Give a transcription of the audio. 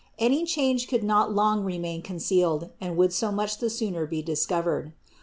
115), any change could not long remain concealed and would so much the sooner be discovered.